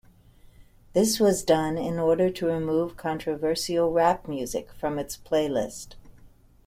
This was done in order to remove controversial rap music from its playlist.